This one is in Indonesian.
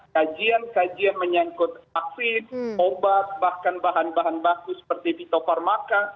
kajian kajian menyangkut vaksin obat bahkan bahan bahan baku seperti pitoparmaka